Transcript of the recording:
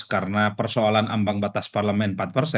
karena persoalan ambang batas parlemen empat